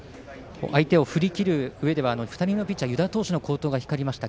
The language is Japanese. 相手を振り切るうえでは２人目のピッチャー湯田投手の好投が光りました。